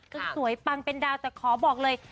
สวยปังเป็นดาวแต่ขอบอกเลย